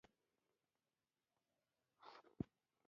امیر په خصوصي مجلس کې راسګونوف ته وویل.